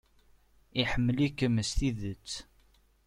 Iḥemmel-iken s tidet.